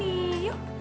nah ini yuk